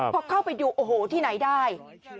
พอเข้าไปดูโอ้โหที่ไหนได้